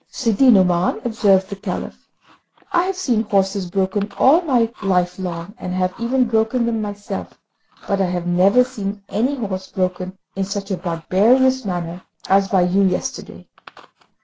"Sidi Nouman," observed the Caliph, "I have seen horses broken all my life long, and have even broken them myself, but I have never seen any horse broken in such a barbarous manner as by you yesterday.